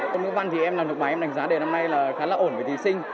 môn ngữ văn thì em làm được bài em đánh giá đề năm nay là khá là ổn với thí sinh